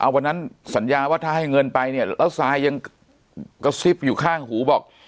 วันนั้นสัญญาว่าถ้าให้เงินไปเนี่ยแล้วซายยังกระซิบอยู่ข้างหูบอก